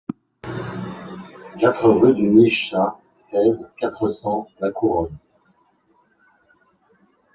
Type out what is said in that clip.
quatre rue du Nige Chat, seize, quatre cents, La Couronne